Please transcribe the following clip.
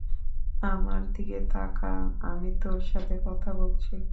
আমার দিকে তাকা, আমি তোর সাথে কথা বলছি।